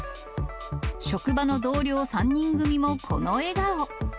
職場の同僚３人組もこの笑顔。